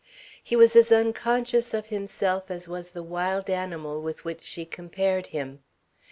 He was as unconscious of himself as was the wild animal with which she compared him.